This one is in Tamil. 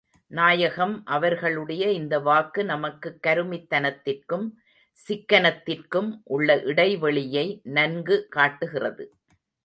நாயகம் அவர்களுடைய இந்த வாக்கு நமக்குக் கருமித் தனத்திற்கும், சிக்கனத்திற்கும் உள்ள இடைவெளியை நன்கு காட்டுகிறது.